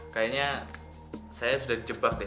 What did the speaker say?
kayaknya saya sudah di jebak deh